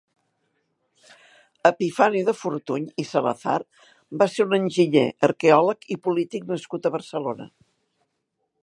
Epifani de Fortuny i Salazar va ser un enginyer, arqueòleg i polític nascut a Barcelona.